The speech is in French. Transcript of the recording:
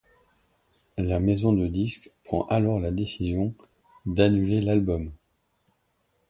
La maison de disque prend alors la décision d'annuler l'album.